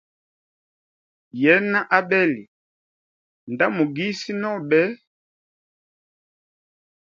Yena abeli nda mugisi nobe.